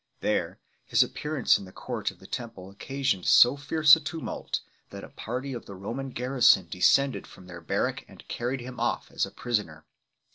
There, his appearance in the court of the Temple occasioned so fierce a tumult, that a party of the Roman garrison descended from their barrack and carried him off as a prisoner 2